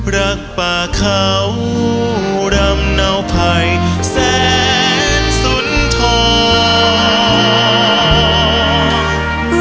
รักป่าเขาดำเนาไพแสนสุนทอง